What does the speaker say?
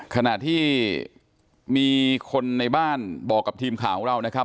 ขณะที่มีคนในบ้านบอกกับทีมข่าวของเรานะครับ